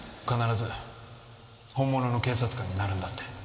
必ず本物の警察官になるんだって。